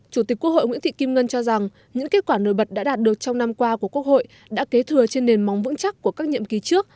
chủ tịch quốc hội nguyễn thị kim ngân cho rằng những kết quả nổi bật đã đạt được trong năm qua của quốc hội đã kế thừa trên nền móng vững chắc của các nhiệm kỳ trước